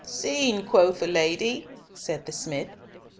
"Seen, quoth the lady?" said the smith.